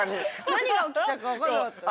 何が起きたか分かんなかったです。